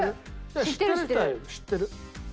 知ってる人は知ってる。